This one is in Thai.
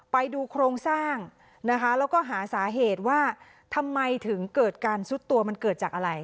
ไปดูโครงสร้างนะคะแล้วก็หาสาเหตุว่าทำไมถึงเกิดการซุดตัวมันเกิดจากอะไร